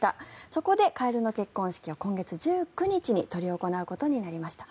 そこでカエルの結婚式を今月１９日に執り行われることになりました。